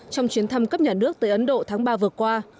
trong chuyến thăm cấp nhà nước tới ấn độ tháng ba vừa qua